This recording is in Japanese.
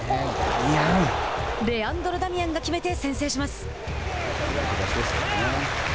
レアンドロ・ダミアンが決めて先制します。